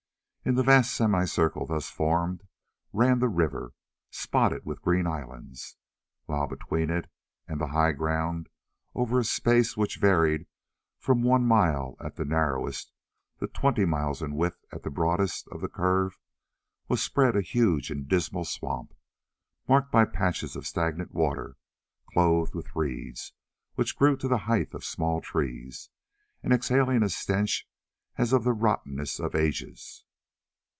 In the vast semicircle thus formed ran the river, spotted with green islands, while between it and the high ground, over a space which varied from one mile at the narrowest to twenty miles in width at the broadest of the curve, was spread a huge and dismal swamp, marked by patches of stagnant water, clothed with reeds which grew to the height of small trees, and exhaling a stench as of the rottenness of ages.